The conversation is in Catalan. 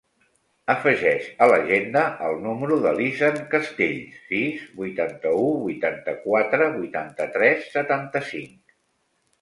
Afegeix a l'agenda el número de l'Izan Castells: sis, vuitanta-u, vuitanta-quatre, vuitanta-tres, setanta-cinc.